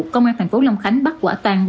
công an thành phố long khánh bắt quả tan